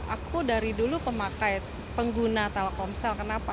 aku dari dulu pemakai pengguna telkomsel kenapa